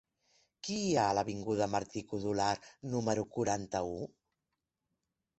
Què hi ha a l'avinguda de Martí-Codolar número quaranta-u?